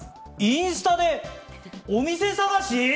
インスタで、お店探し！？